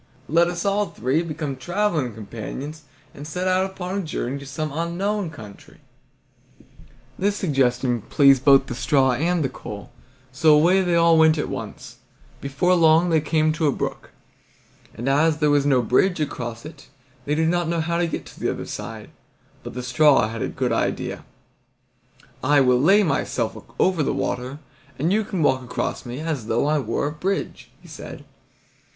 Let us all three become traveling companions and set out upon a journey to some unknown country." This suggestion pleased both the straw and the coal, so away they all went at once. Before long they came to a brook, and as there was no bridge across it they did not know how to get to the other side; but the straw had a good idea: "I will lay myself over the water, and you can walk across me as though I were a bridge," he said.